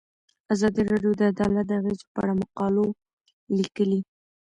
ازادي راډیو د عدالت د اغیزو په اړه مقالو لیکلي.